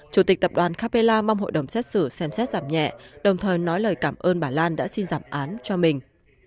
chủ tịch tập đoàn capella mong hội đồng xét xử xem xét giảm nhẹ đồng thời nói lời cảm ơn bà lan đã xin giảm án cho mình